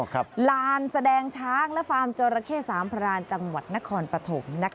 ลานแสดงช้างและฟาร์มจอราเข้สามพรานจังหวัดนครปฐม